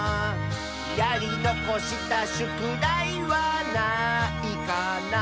「やりのこしたしゅくだいはないかな」